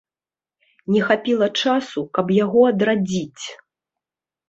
Не хапіла часу, каб яго адрадзіць.